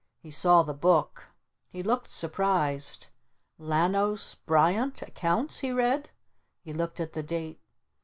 He saw the Book. He looked surprised. "Lanos Bryant? Accounts?" he read. He looked at the date.